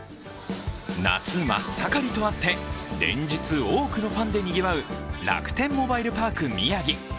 夏真っ盛りとあって、連日、多くのファンでにぎわう、楽天モバイルパーク宮城。